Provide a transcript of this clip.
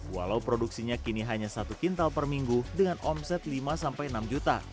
walau produksinya kini hanya satu kuintal per minggu dengan omset rp lima enam juta